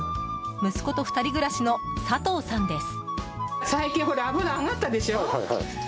息子と２人暮らしの佐藤さんです。